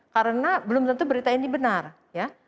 karena belum tentu berita ini benar ya